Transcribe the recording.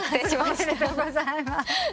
おめでとうございます。